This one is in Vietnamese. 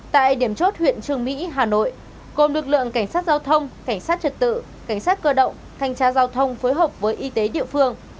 tại điểm chốt huyện trường mỹ hà nội gồm lực lượng cảnh sát giao thông cảnh sát trật tự cảnh sát cơ động thanh tra giao thông phối hợp với y tế địa phương